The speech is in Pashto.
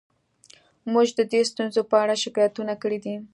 موږ د دې ستونزو په اړه شکایتونه کړي دي